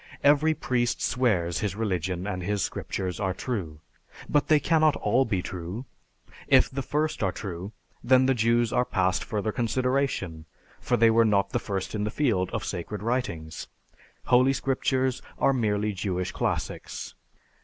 Every priest swears his religion and his scriptures are true. But they cannot all be true. If the first are true, then the Jews are past further consideration, for they were not the first in the field with sacred writings.... Holy scriptures are merely Jewish classics.